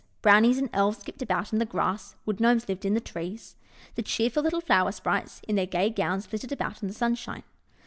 Brownies and Elves skipped about in the grass. Wood Gnomes lived in the THE DANDELION FAIRIES 129 trees. The cheerful little Flower Sprites, in their gay gowns, flitted about in the sunshine.